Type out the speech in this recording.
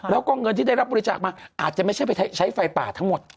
แล้วก็เงินที่ได้รับบริจาคมาอาจจะไม่ใช่ไปใช้ไฟป่าทั้งหมด